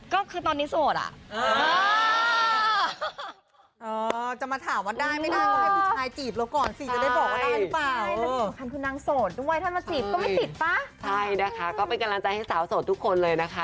ก็เป็นกำลังใจเพื่อให้สาวสดทุกคนเลยนะคะ